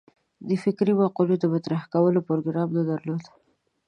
د فکري مقولو د مطرح کولو پروګرام نه درلود.